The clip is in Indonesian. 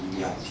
soalnya lu sih